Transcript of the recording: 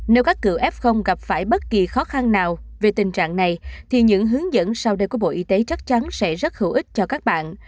nếu các cựu f gặp phải bất kỳ khó khăn nào về tình trạng này thì những hướng dẫn sau đây của bộ y tế chắc chắn sẽ rất hữu ích cho các bạn